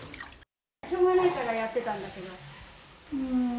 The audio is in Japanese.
しょうがないからやってたんだけど。